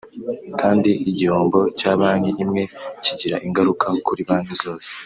kandi igihombo cya banki imwe kigira ingaruka kuri banki zose